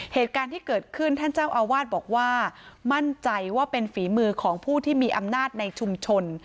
เหตุการณ์ที่เกิดขึ้นท่านเจ้าอาวาสบอกว่ามั่นใจว่าเป็นฝีมือของผู้ที่มีอำนาจในชุมชน